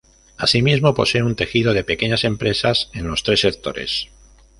Asimismo, posee un tejido de pequeñas empresas en los tres sectores.